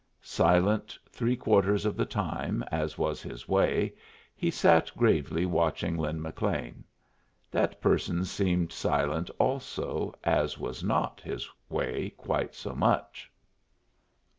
Silent three quarters of the time, as was his way, he sat gravely watching Lin McLean. That person seemed silent also, as was not his way quite so much.